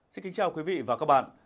xin kính chào quý vị và các bạn